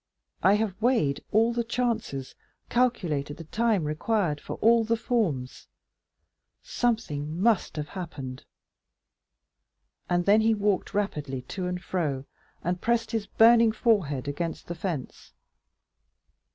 I have weighed all the chances, calculated the time required for all the forms; something must have happened." And then he walked rapidly to and fro, and pressed his burning forehead against the fence.